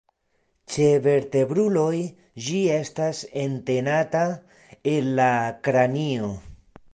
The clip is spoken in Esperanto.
Ĉe vertebruloj ĝi estas entenata en la kranio.